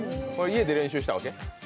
家で練習したわけ？